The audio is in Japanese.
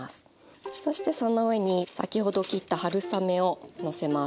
そしてその上に先ほど切った春雨をのせます。